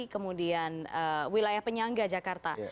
kemudian wilayah penyangga jakarta